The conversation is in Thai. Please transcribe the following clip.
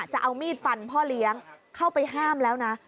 จะเอามีดฟันพ่อเลี้ยงเข้าไปห้ามแล้วนะ